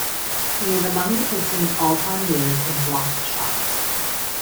He is among the Pistons' all-time leaders in blocked shots.